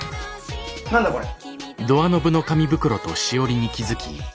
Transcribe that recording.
何だこれ。